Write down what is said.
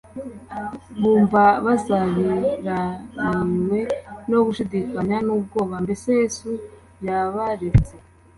Bumva bazabirariywe no gushidikanya n'ubwoba. Mbese Yesu yabaretse?